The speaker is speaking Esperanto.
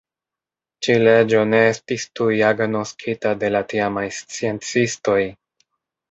Ĉi-leĝo ne estis tuj agnoskita de la tiamaj sciencistoj.